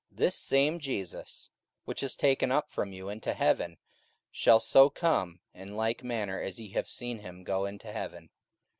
this same Jesus, which is taken up from you into heaven, shall so come in like manner as ye have seen him go into heaven.